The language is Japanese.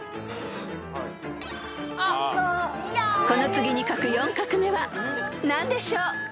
［この次に書く４画目は何でしょう］